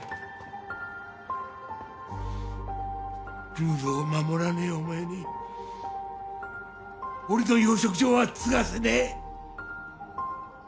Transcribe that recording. ルールを守らねえお前に俺の養殖場は継がせねえ！